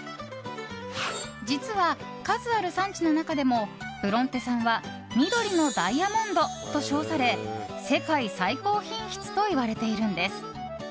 実は、数ある産地の中でもブロンテ産は緑のダイヤモンドと称され世界最高品質といわれているんです。